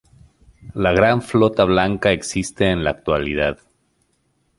La Gran Flota Blanca existe en la actualidad.